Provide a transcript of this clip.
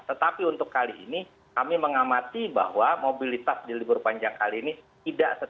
tetapi untuk kali ini kami mengamati bahwa mobilitas di libur panjang kali ini tidak sesuai